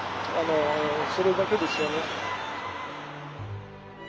それだけですよね。